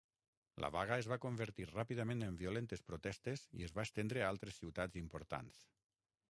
La vaga es va convertir ràpidament en violentes protestes i es va estendre a altres ciutats importants.